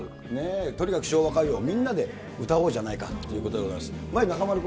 とにかく昭和歌謡をみんなで歌おうじゃないかということでございます。